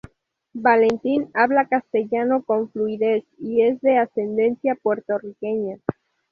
Valentin habla castellano con fluidez, y es de ascendencia puertorriqueña.